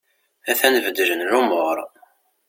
A-t-an beddlen lumur.